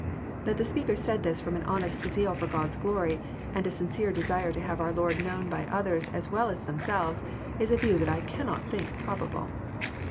That the speakers said this from an honest zeal for God's glory, and a sincere desire to have our Lord known by others as well as themselves, is a view that I cannot think probable.